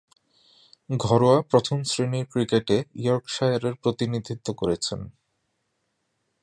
ঘরোয়া প্রথম-শ্রেণীর ক্রিকেটে ইয়র্কশায়ারের প্রতিনিধিত্ব করেছেন।